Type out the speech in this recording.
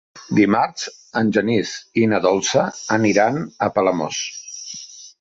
Dimarts en Genís i na Dolça aniran a Palamós.